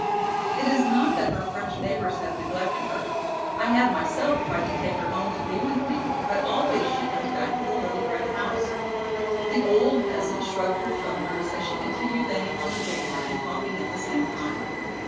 It is not that her French neighbors have neglected her. I have myself tried to take her home to be with me, but always she comes back to the little grey house." The old peasant shrugged her shoulders, as she continued banging on the door and talking at the same time.